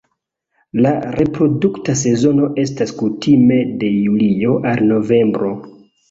La reprodukta sezono estas kutime de julio al novembro.